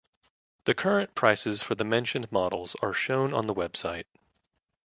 The current prices for the mentioned models are shown on the website.